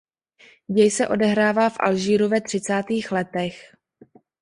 Děj se odehrává v Alžíru ve třicátých letech.